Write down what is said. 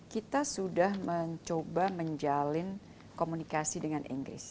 kita sudah mencoba menjalin komunikasi dengan inggris